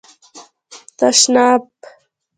🚾 تشناب